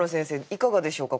いかがでしょうか？